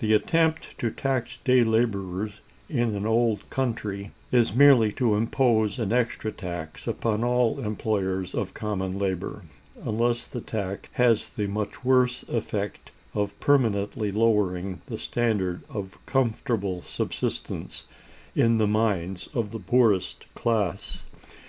To attempt to tax day laborers, in an old country, is merely to impose an extra tax upon all employers of common labor; unless the tax has the much worse effect of permanently lowering the standard of comfortable subsistence in the minds of the poorest class.